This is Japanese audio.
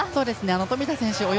富田選手